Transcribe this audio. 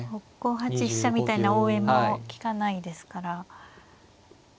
５八飛車みたいな応援も利かないですから。